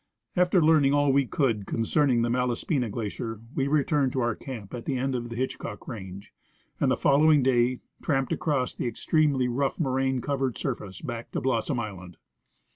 After learning all we could concerning the Malaspina glacier we returned to our camp at the end of the Hitchcock range, and the following day tramped across the extremely rough moraine covered surface back to Blossom island.